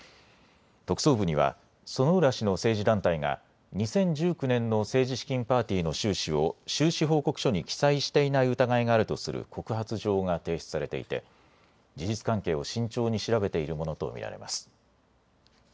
特捜部には薗浦氏の政治団体が２０１９年の政治資金パーティーの収支を収支報告書に記載していない疑いがあるとする告発状が提出されていて事実関係を慎重に調べているものと見られます。